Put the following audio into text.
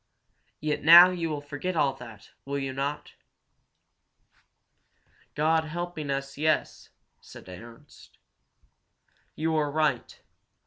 "Yet now you will forget all that, will you not?" "God helping us, yes!" said Ernst. "You are right.